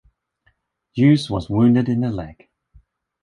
Hughes was wounded in the leg.